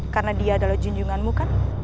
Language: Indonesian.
karena dia adalah junjunganmu kan